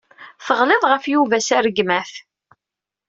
Teɣliḍ ɣef Yuba s rregmat.